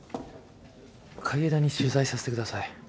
海江田に取材させてください